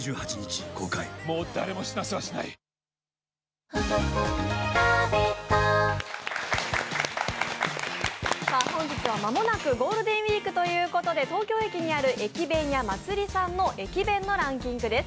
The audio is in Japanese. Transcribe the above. トーンアップ出た本日は間もなくゴールデンウイークということで東京駅にある、駅弁屋祭さんの駅弁ランキングです。